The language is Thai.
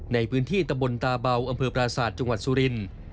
ในพื้นที่ตะบนตาเบาอำเภอปราศาสตร์จังหวัดสุรินทร์